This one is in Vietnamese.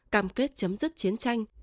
cam kết chấm dứt chiến tranh